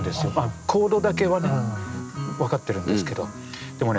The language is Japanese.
コードだけは分かってるんですけどでもね